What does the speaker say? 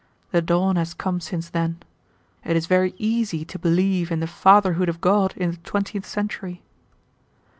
The dawn has come since then. It is very easy to believe in the fatherhood of God in the twentieth century.